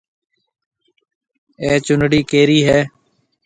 اَي چونڙِي ڪَيري هيَ؟